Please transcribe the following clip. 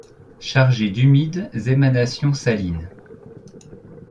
chargée d’humides émanations salines.